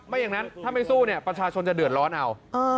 อย่างนั้นถ้าไม่สู้เนี่ยประชาชนจะเดือดร้อนเอา